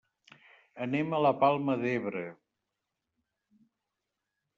Anem a la Palma d'Ebre.